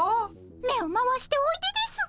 目を回しておいでです。